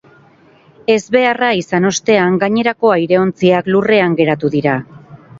Ezbeharra izan ostean, gainerako aireontziak lurrean geratu dira.